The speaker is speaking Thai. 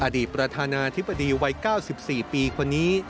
อดีตประธานาธิบดีวัย๙๔ปีคนนี้